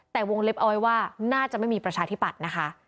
แต่วงเล็บเอาไว้ว่าน่าจะไม่มีประชาธิปัตย์นะคะ